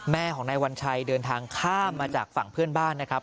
แม่ของนายวัญชัยเดินทางข้ามมาจากฝั่งเพื่อนบ้านนะครับ